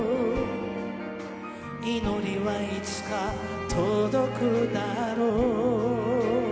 「祈りはいつか届くだろう」